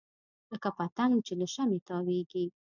لکه پتنګ چې له شمعې تاویږي.